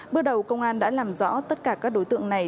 bước đầu công an đã làm rõ tất cả các đối tượng này